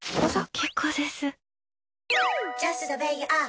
結構です！